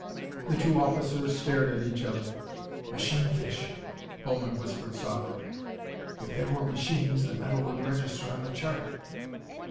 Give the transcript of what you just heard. The two officers stared at each other. "'Machine fish!'" Bowman whispered softly. "If there were machines, the metal would register on the chart."